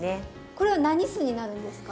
これは何酢になるんですか？